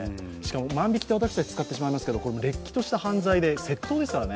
万引きと私たち使ってしまいますがれっきとした犯罪で窃盗ですからね。